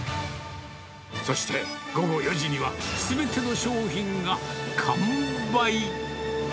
そして、午後４時にはすべての商品が完売。